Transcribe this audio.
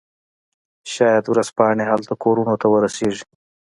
شاید ورځپاڼې هلته کورونو ته ورسیږي